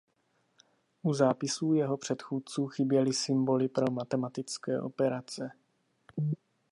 U zápisů jeho předchůdců chyběly symboly pro matematické operace.